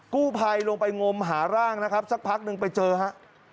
กู้ภัยลงไปงมหาร่างนะครับสักพักหนึ่งไปเจอฮะ